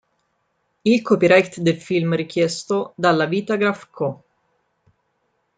Il copyright del film, richiesto dalla Vitagraph Co.